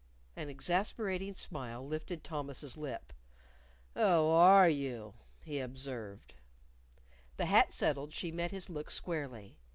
An exasperating smile lifted Thomas's lip. "Oh, are you!" he observed. The hat settled, she met his look squarely.